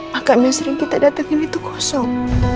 makam yang sering kita datangin itu kosong